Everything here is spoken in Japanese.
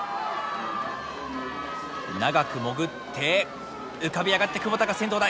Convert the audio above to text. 長く潜って浮かび上がって窪田が先頭だ。